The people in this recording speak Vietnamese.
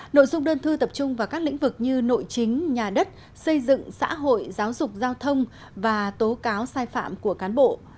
nội dung đơn thư tập trung vào các lĩnh vực như nội chính nhà đất xây dựng xã hội giáo dục giao thông và tố cáo sai phạm của cán bộ